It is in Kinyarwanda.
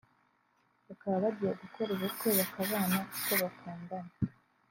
bakaba bagiye gukora ubukwe bakabana kuko bakundana